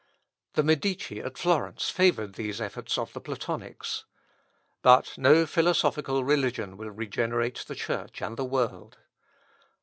The Medici at Florence favoured these efforts of the Platonics. But no philosophical religion will regenerate the Church and the world.